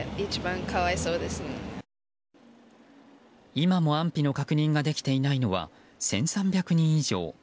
今も安否の確認ができていないのは１３００人以上。